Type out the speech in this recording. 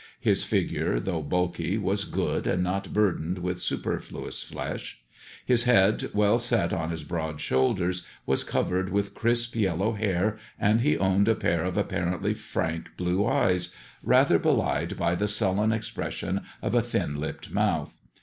His figure, though bulky, was good, and not burdened with superfluous flesh ; his head, well set on his broad shoulders, was covered with crisp yellow hair, and he owned a pair of apparently frank blue eyes, rather belied by the sullen expression of a thin lipped mouth.